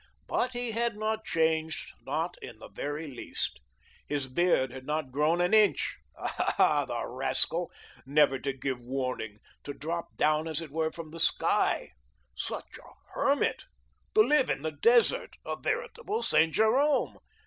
But he had not changed, not in the very least. His beard had not grown an inch. Aha! The rascal, never to give warning, to drop down, as it were, from out the sky. Such a hermit! To live in the desert! A veritable Saint Jerome.